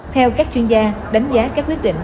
theo các chuyên gia đánh giá các quyết định